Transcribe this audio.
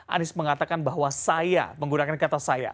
anies mengatakan bahwa saya menggunakan kata saya